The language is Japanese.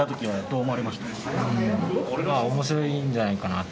うんまあ面白いんじゃないかな。